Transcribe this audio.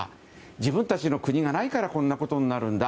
自分たちの国がないからこんなことになるんだ。